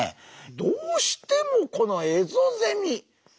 どうしてもこのエゾゼミ。